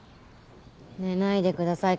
寝ないでください係長。